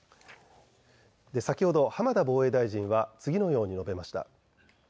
先ほど浜田防衛大臣は次のように述べました。